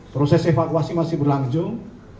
proses evakuasi masih berlangsung